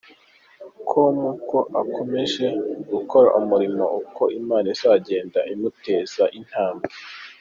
com ko akomeje gukora umurimo uko Imana izagenda imuteza intambwe.